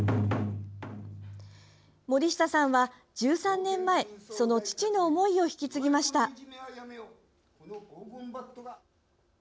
森下さんは１３年前その父の思いを引き継ぎました。